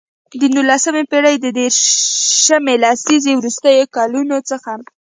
د نولسمې پېړۍ د دیرشمې لسیزې وروستیو کلونو څخه.